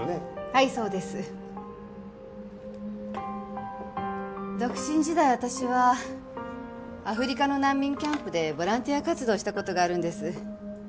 はいそうです。独身時代私はアフリカの難民キャンプでボランティア活動をした事があるんです。